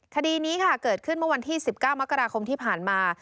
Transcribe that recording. คดีนี้ค่ะเกิดขึ้นเมื่อวันที่๑๙มกราคมที่ผ่านมา